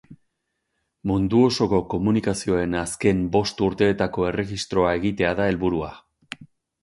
Mundu osoko komunikazioen azken bost urteetako erregistroa egitea da helburua.